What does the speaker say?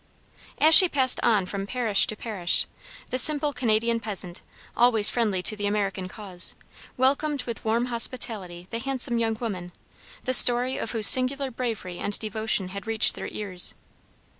As she passed on from parish to parish, the simple Canadian peasant, always friendly to the American cause, welcomed with warm hospitality the handsome young woman, the story of whose singular bravery and devotion had reached their ears.